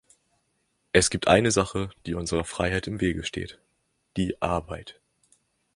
Es gibt eine Sache, die unserer Freiheit im Wege steht: die Arbeit.